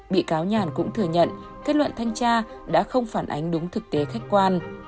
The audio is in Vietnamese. bị cáo nhàn cũng thừa nhận kết luận thanh tra đã không phản ánh đúng thực tế khách quan